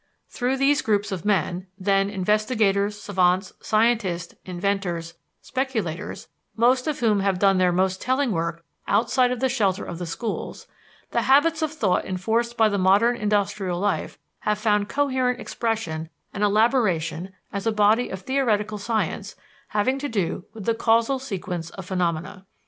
Through these groups of men, then investigators, savants, scientists, inventors, speculators most of whom have done their most telling work outside the shelter of the schools, the habits of thought enforced by the modern industrial life have found coherent expression and elaboration as a body of theoretical science having to do with the causal sequence of phenomena.